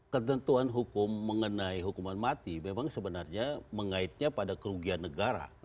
ketentuan hukum mengenai hukuman mati memang sebenarnya mengaitnya pada kerugian negara